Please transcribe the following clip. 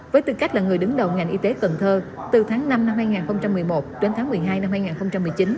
với tư cách là người đứng đầu ngành y tế cần thơ từ tháng năm năm hai nghìn một mươi một đến tháng một mươi hai năm hai nghìn một mươi chín